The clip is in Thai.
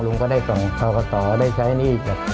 ลุงก็ได้ส่องขอบต่อได้ใช้หนี้